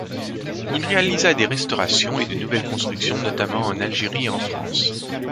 Il réalisa des restaurations et de nouvelles constructions notamment en Algérie et en France.